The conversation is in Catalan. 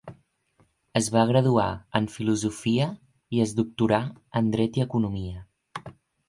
Es va graduar en filosofia i es doctorà en dret i economia.